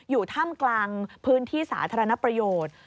อยู่ถ้ำกลางพื้นที่สาธารณประโยชน์